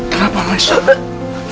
kenapa masya allah